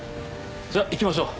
じゃ行きましょう。